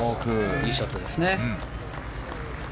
いいショットですね。